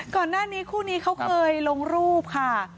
ก่อนหน้านี้คู่นี้เขาเคยลงรูปค่ะ